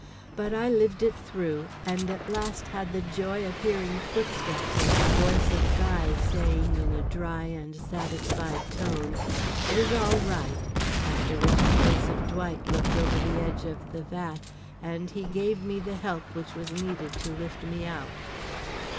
But I lived it through and at last had the joy of hearing footsteps and the voice of Guy saying in a dry and satisfied tone: "It is all right," after which the face of Dwight looked over the edge of the vat and he gave me the help which was needed to lift me out.